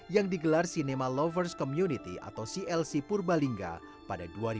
yang digelar cinema lovers community atau clc purbalingga pada dua ribu dua puluh